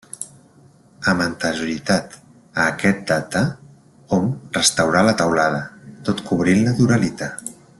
Amb anterioritat a aquest data, hom restaurà la teulada tot cobrint-la d'uralita.